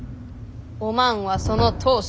おまんはその当主。